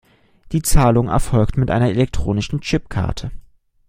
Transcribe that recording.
Die Zahlung erfolgt mit einer elektronischen Chipkarte.